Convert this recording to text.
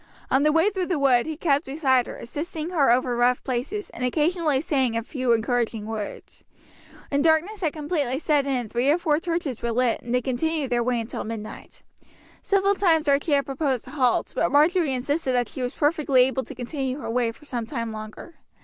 On the way through the wood he kept beside her, assisting her over rough places, and occasionally saying a few encouraging words. When darkness had completely set in three or four torches were lit, and they continued their way until midnight. Several times Archie had proposed a halt, but Marjory insisted that she was perfectly able to continue her way for some time longer.